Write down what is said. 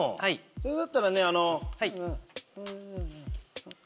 それだったらね。